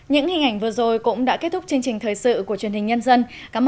những hình ảnh vừa rồi cũng đã kết thúc chương trình thời sự của truyền hình nhân dân cảm